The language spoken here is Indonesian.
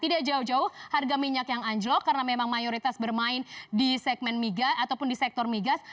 tidak jauh jauh harga minyak yang anjok karena memang mayoritas bermain di sektor migas